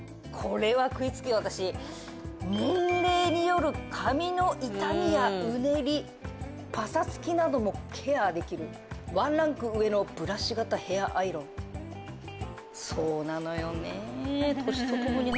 「年齢による髪の傷みやうねりパサつきなどもケアできるワンランク上のブラシ型ヘアアイロン」年と共に。